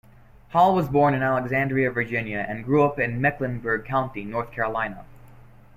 Hall was born in Alexandria, Virginia and grew up in Mecklenburg County, North Carolina.